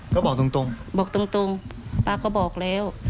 ก็บอกตรงบอกตรงป้าก็บอกแล้ว